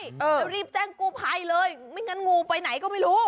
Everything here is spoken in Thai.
แล้วรีบแจ้งกู้ภัยเลยไม่งั้นงูไปไหนก็ไม่รู้